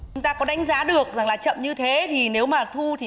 chúng ta có đánh giá được rằng là chậm như thế thì nếu mà thu thì nó sẽ như thế